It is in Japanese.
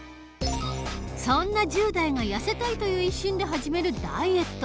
そんな１０代がやせたいという一心で始めるダイエット。